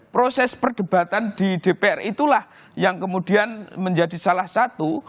proses perdebatan di dpr itulah yang kemudian menjadi salah satu